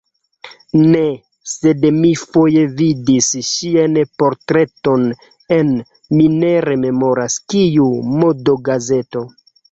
Ne, sed mi foje vidis ŝian portreton en, mi ne rememoras kiu, modogazeto.